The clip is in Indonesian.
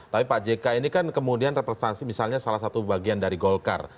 tapi pak jk ini kan kemudian representasi misalnya salah satu bagian dari golkar